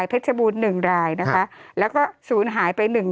โทษทีน้องโทษทีน้อง